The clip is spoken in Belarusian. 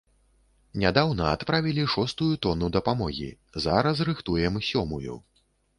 Нядаўна адправілі шостую тону дапамогі, зараз рыхтуем сёмую.